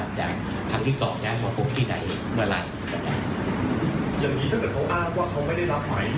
เราอยากจะมาพบที่ไหนเมื่อไหร่จะจัดการ